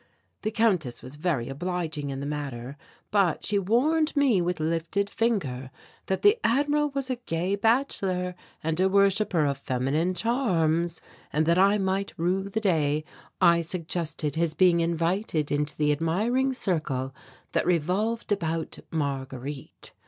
The Countess was very obliging in the matter, but she warned me with lifted finger that the Admiral was a gay bachelor and a worshipper of feminine charms, and that I might rue the day I suggested his being invited into the admiring circle that revolved about Marguerite.